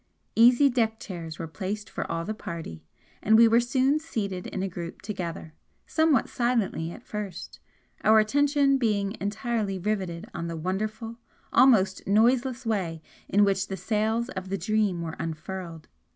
Easy deck chairs were placed for all the party, and we were soon seated in a group together, somewhat silently at first, our attention being entirely riveted on the wonderful, almost noiseless way in which the sails of the 'Dream' were unfurled.